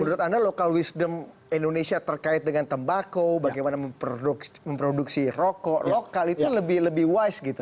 menurut anda local wisdom indonesia terkait dengan tembako bagaimana memproduksi rokok lokal itu lebih wise gitu